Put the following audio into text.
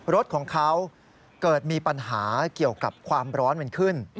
รถของเขาเกิดมีปัญหาเกี่ยวกับความร้อนมันขึ้น